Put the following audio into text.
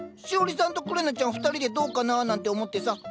しおりさんとくれなちゃん２人でどうかな？なんて思ってさ